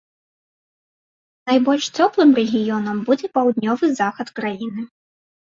Найбольш цёплым рэгіёнам будзе паўднёвы захад краіны.